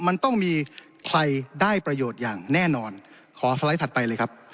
มันต้องมีใครได้ประโยชน์อย่างแน่นอนขอสไลด์ถัดไปเลยครับ